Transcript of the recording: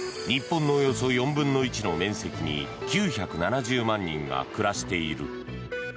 日本のおよそ４分の１の面積に９７０万人が暮らしている。